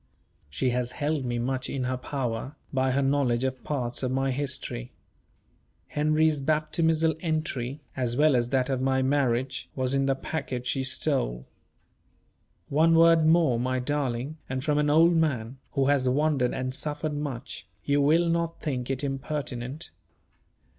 She has held me much in her power, by her knowledge of parts of my history. Henry's baptismal entry, as well as that of my marriage, was in the packet she stole. One word more, my darling and from an old man, who has wandered and suffered much, you will not think it impertinent.